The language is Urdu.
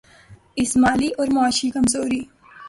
اس مالی اور معاشی کمزوری